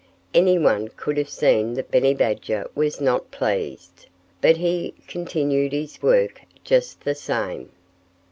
Anyone could have seen that Benny Badger was not pleased. But he continued his work just the same.